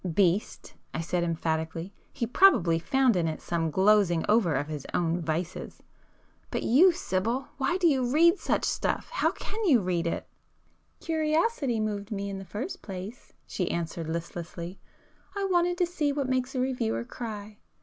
"Beast!" I said emphatically—"He probably found in it some glozing over of his own vices. But you, Sibyl—why do you read such stuff?—how can you read it?" "Curiosity moved me in the first place,"—she answered listlessly—"I wanted to see what makes a reviewer cry!